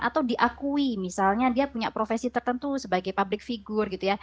atau diakui misalnya dia punya profesi tertentu sebagai public figure gitu ya